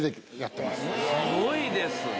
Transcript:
すごいですね！